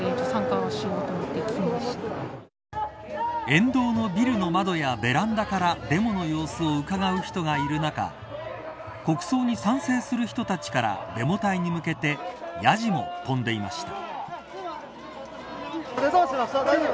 沿道のビルの窓やベランダからデモの様子をうかがう人がいる中国葬に賛成する人たちからデモ隊に向けてヤジも飛んでいました。